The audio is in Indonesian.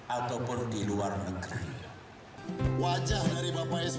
ataupun di luar negeri